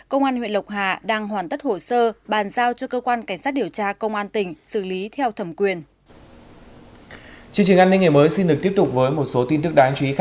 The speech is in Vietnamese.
công an huyện lộc hà đang hoàn tất hồ sơ bàn giao cho cơ quan cảnh sát điều tra công an tỉnh xử lý theo thẩm quyền